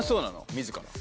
自ら？